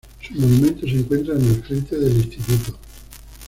Su monumento se encuentra en el frente del instituto.